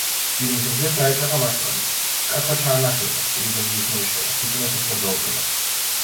ირმის რძეს დაეწაფა მაშვრალი. კათხა ჩაანახევრა, პირიდან ძლივს მოიშორა, ბიჭუნას უხმოდ გაუწოდა.